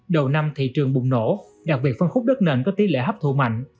đầu năm thị trường bùng nổ đặc biệt phân khúc đất nền có tỷ lệ hấp thụ mạnh